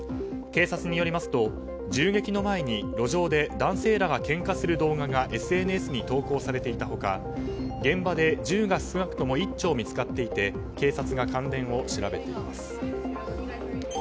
警察によりますと銃撃の前に、路上で男性らがけんかする動画がＳＮＳに投稿されていた他現場で銃が少なくとも１丁見つかっていて警察が関連を調べています。